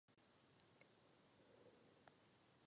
Evropský parlament dnes tyto velké cíle zanesl na papír.